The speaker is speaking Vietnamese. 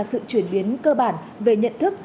sự chuyển biến cơ bản về nhận thức